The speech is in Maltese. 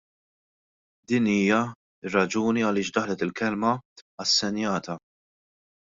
Din hija r-raġuni għaliex daħlet il-kelma " assenjata ".